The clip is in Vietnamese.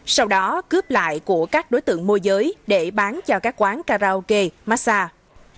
sau đó cướp lại của các đối tượng môi giới để bán cho các quán karaoke massage